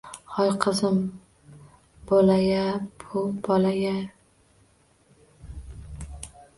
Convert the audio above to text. Hoy, qizim, bola-ya bu, bola-ya!